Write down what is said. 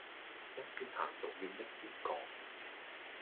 一邊行仲要一邊講